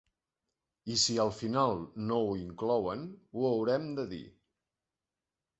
I si al final no ho inclouen, ho haurem de dir.